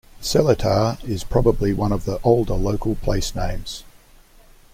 Seletar is probably one of the older local place names.